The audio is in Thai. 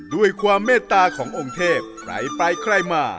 ด้วยความเมตตาขององค์เทพใครไปใครมา